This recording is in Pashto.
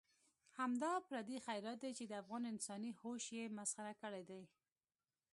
همدا پردی خیرات دی چې د افغان انسان هوش یې مسخره کړی دی.